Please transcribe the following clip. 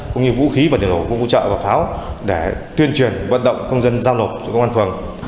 cũng như vũ khí và điều hội vũ trợ và pháo để tuyên truyền vận động công dân giao nộp cho công an phường